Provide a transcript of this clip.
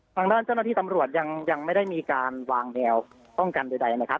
ทางด้านเจ้าหน้าที่ตำรวจยังไม่ได้มีการวางแนวป้องกันใดนะครับ